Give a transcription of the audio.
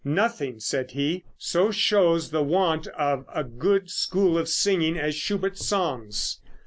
"Nothing," said he, "so shows the want of a good school of singing as Schubert's songs.